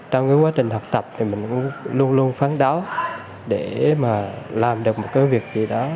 trong quá trình học tập thì mình luôn luôn phấn đấu để mà làm được một cái việc gì đó